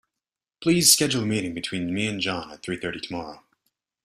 Please schedule a meeting between me and John at three thirty tomorrow.